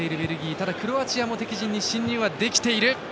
ただクロアチアも敵陣に侵入はできている。